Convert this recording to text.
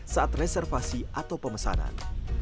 saat reservasi atau pemesanan